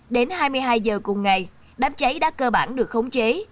đến hai mươi hai giờ cùng ngày đám cháy đã cơ bản được khống chế